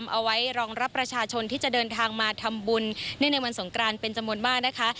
เอาไว้รองรับประชาชนที่จะเดินทางมาทำบุญเนื่องในวันสงกรานเป็นจำนวนมากนะคะ